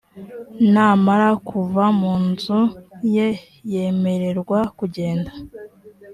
namara kuva mu nzu ye yemererwa kugenda